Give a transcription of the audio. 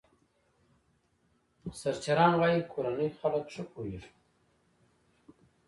سرچران وايي کورني خلک ښه پوهېږي.